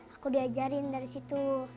aku diajarin dari situ